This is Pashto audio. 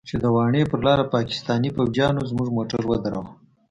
چې د واڼې پر لاره پاکستاني فوجيانو زموږ موټر ودراوه.